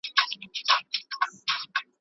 ستا کارونه تر ډېره حده شوي دي.